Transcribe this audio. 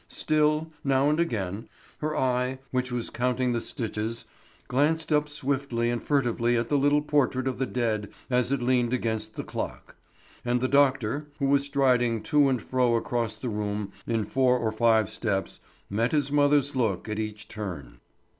Still, now and again, her eye, which was counting the stitches, glanced up swiftly and furtively at the little portrait of the dead as it leaned against the clock. And the doctor, who was striding to and fro across the little room in four or five steps, met his mother's look at each turn.